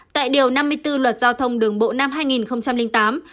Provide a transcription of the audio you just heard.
tại điều năm mươi bốn luật giao thông đường bộ năm hai nghìn tám